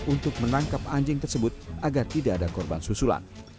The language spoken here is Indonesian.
untuk menangkap anjing tersebut agar tidak ada korban susulan